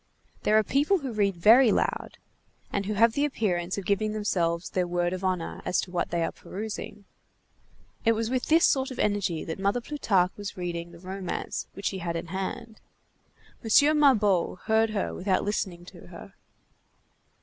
There are people who read very loud, and who have the appearance of giving themselves their word of honor as to what they are perusing. It was with this sort of energy that Mother Plutarque was reading the romance which she had in hand. M. Mabeuf heard her without listening to her.